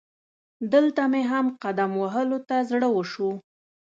دلته مې هم قدم وهلو ته زړه وشو.